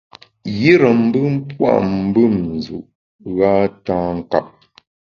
Yire mbùm pua’ mbùm nzu’ gha tâ nkap.